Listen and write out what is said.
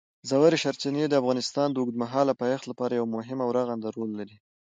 ژورې سرچینې د افغانستان د اوږدمهاله پایښت لپاره یو مهم او رغنده رول لري.